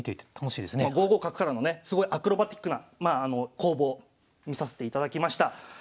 ５五角からのねすごいアクロバティックな攻防見させていただきました。